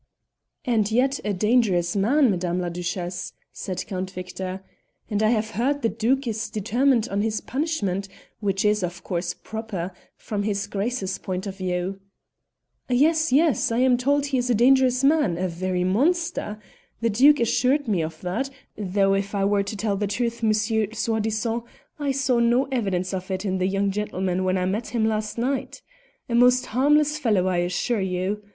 "And yet a dangerous man, Madame la Duchesse," said Count Victor; "and I have heard the Duke is determined on his punishment, which is of course proper from his Grace's point of view." "Yes, yes! I am told he is a dangerous man, a very monster. The Duke assured me of that, though if I were to tell the truth, Monsieur Soi disant, I saw no evidence of it in the young gentleman when I met him last night. A most harmless fellow, I assure you.